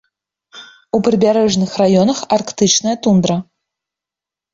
У прыбярэжных раёнах арктычная тундра.